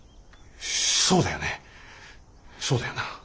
そうだよねそうだよな。